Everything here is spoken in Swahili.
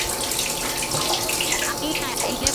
aina ya Electric Fish ni wenye shoti